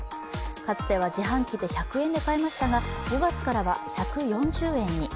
かつては自販機で１００円で買えましたが５月からは１４０円に。